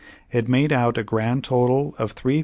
It made out a grand total of 3,123,349.